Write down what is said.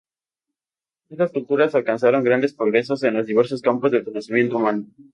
Estas culturas alcanzaron grandes progresos en los diversos campos del conocimiento humano.